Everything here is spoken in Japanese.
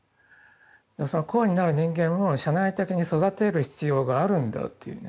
でもそのコアになる人間を社内的に育てる必要があるんだっていうね。